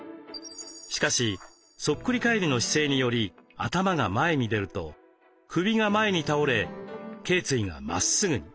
しかしそっくり返りの姿勢により頭が前に出ると首が前に倒れけい椎がまっすぐに。